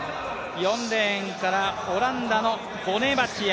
４レーンからオランダのボネバチア。